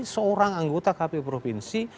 seorang anggota kpu provinsi